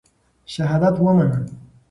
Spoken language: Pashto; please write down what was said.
شهادت ومنه.